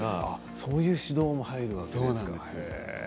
そういう指導も入るわけですか。